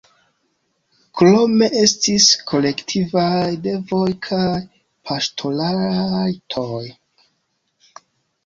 Krome estis kolektivaj devoj kaj paŝtorajtoj.